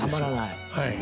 はい。